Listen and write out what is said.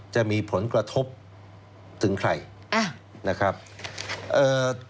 จะมีผลกระทบถึงใครอ่านะครับเอ่อ